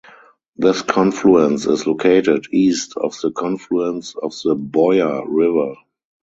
This confluence is located east of the confluence of the Boyer River.